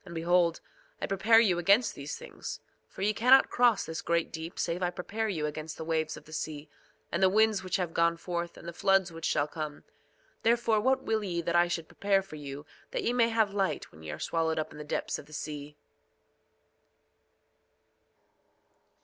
2:25 And behold, I prepare you against these things; for ye cannot cross this great deep save I prepare you against the waves of the sea, and the winds which have gone forth, and the floods which shall come. Therefore what will ye that I should prepare for you that ye may have light when ye are swallowed up in the depths of the sea?